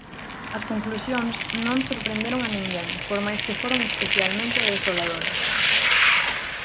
As conclusións non sorprenderon a ninguén, por máis que foron especialmente desoladoras.